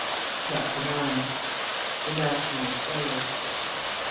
CHAPTER IX. THE NATIONALIST ERROR.